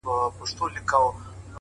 له نن څخه ښه وخت نشته’